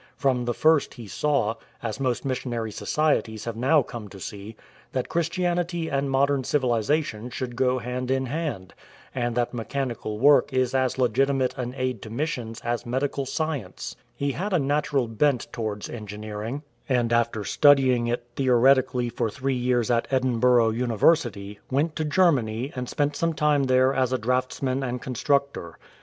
From the first he saw, as most missionary societies have now come to see, that Christianity and modern civilization should go hand in hand, and that mechanical work is as legitimate an aid to missions as medical science. He had a natural bent towards engineering, and after studying it 103 THE YOUNG ENGINEER theoretically for three years at Edinburgh University, went to Germany and spent some time there as a draughtsman and constructor.